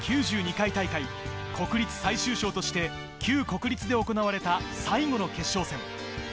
９２回大会、国立最蹴章として旧国立で行われた最後の決勝戦。